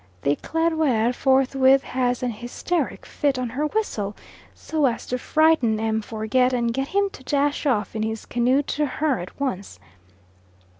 The Eclaireur forthwith has an hysteric fit on her whistle, so as to frighten M. Forget and get him to dash off in his canoe to her at once.